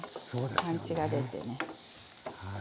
パンチが出てね。